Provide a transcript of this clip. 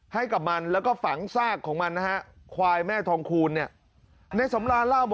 ให้กับมันและเฝางซากของมันนะครับ